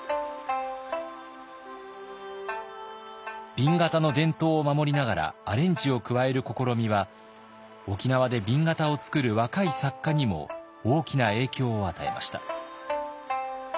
紅型の伝統を守りながらアレンジを加える試みは沖縄で紅型を作る若い作家にも大きな影響を与えました。